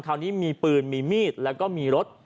คราวนี้มีปืนมีมีดแล้วก็มีรถ